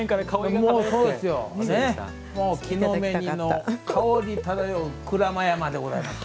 木の芽煮の香り漂う鞍馬山でございます。